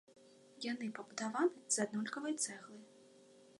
Яны пабудаваны з аднолькавай цэглы.